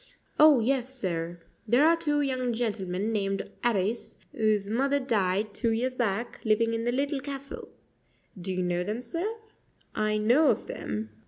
"Oh, yes, sir; there are two young gentlemen named 'Arris, whose mother died two years back, living in the Little Castle. Do you know them, sir?" "I know of them."